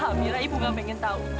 alhamdulillah ibu gak pengen tahu